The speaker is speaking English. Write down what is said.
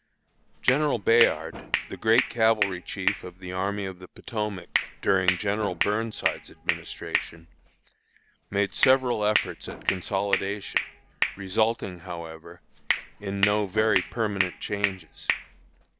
General Bayard, the great cavalry chief of the Army of the Potomac during General Burnside's administration, made several efforts at consolidation, resulting, however, in no very permanent changes.